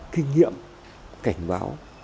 kinh nghiệm cảnh báo